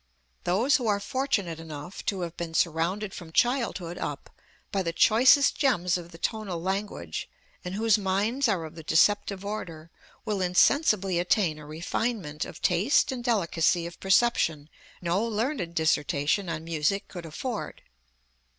Those who are fortunate enough to have been surrounded from childhood up by the choicest gems of the tonal language, and whose minds are of the deceptive order, will insensibly attain a refinement of taste and delicacy of perception no learned dissertation on music could afford.